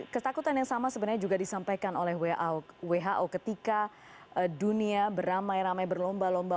ketakutan yang sama sebenarnya juga disampaikan oleh who ketika dunia beramai ramai berlomba lomba